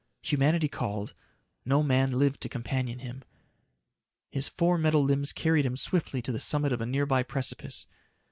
Humanity called; no man lived to companion him. His four metal limbs carried him swiftly to the summit of a nearby precipice.